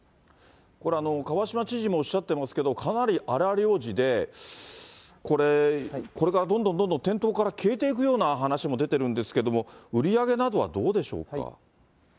これ、蒲島知事もおっしゃってますけど、かなり荒療治で、これ、これからどんどんどんどん店頭から消えていくような話も出てるんですけれども、売り上げなどはどうでしょうか。